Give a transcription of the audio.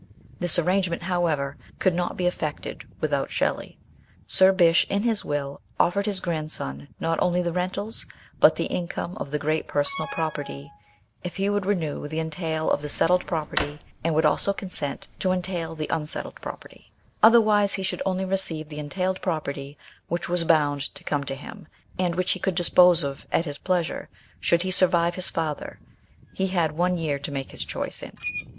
This arrangement, however, could not be effected without Shelley. Sir Bysshe, in his will, offered his grandson not only the rentals, but the income of the great personal property, if he would renew the entail of the settled property and would also consent to entail the unsettled pro perty ; otherwise he should only receive the entailed property, which was bound to come to him, and which he could dispose of at his pleasure, should he survive his father. He had one year to make his choice in.